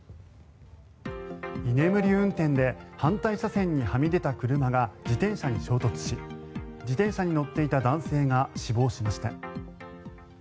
居眠り運転で反対車線にはみ出た車が自転車に衝突し自転車に乗っていた男性が死亡しました。